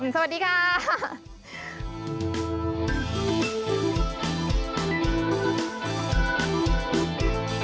สวัสดีครับ